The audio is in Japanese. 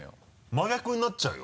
真逆になっちゃうよ？